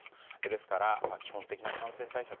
ですから基本的な感染対策